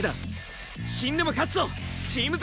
死んでも勝つぞチームＺ！